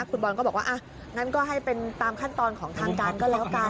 คุณบอลก็บอกว่าอ่ะงั้นก็ให้เป็นตามขั้นตอนของทางการก็แล้วกัน